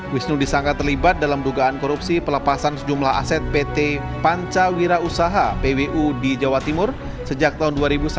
wisnu disangka terlibat dalam dugaan korupsi pelepasan sejumlah aset pt pancawira usaha pwu di jawa timur sejak tahun dua ribu satu